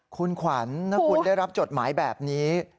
คุณขวัญถ้าคุณได้รับจดหมายแบบนี้